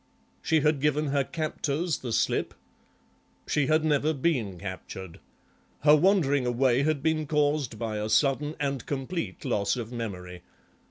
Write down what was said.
"She had given her captors the slip?" "She had never been captured. Her wandering away had been caused by a sudden and complete loss of memory.